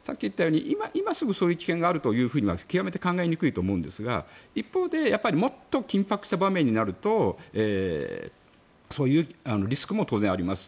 さっき言ったように今すぐそういう危険があるというふうには極めて考えにくいと思うんですが一方でもっと緊迫した場面になるとそういうリスクも当然あります。